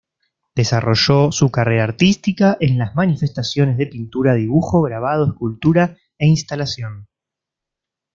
Desarrolló su carrera artística en las manifestaciones de pintura, dibujo, grabado, escultura e instalación.